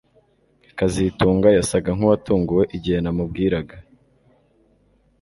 kazitunga yasaga nkuwatunguwe igihe namubwiraga